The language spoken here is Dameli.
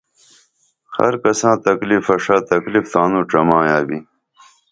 ہر کساں تکلیفہ ݜا تکلیف تانوں ڇمایا بی